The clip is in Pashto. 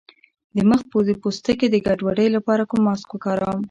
د مخ د پوستکي د ګډوډۍ لپاره کوم ماسک وکاروم؟